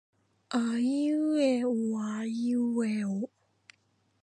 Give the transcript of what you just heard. あいうえおあいうえお